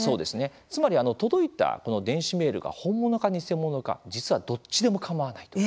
つまり届いた電子メールが本物か偽物か実は、どっちでもかまわないと。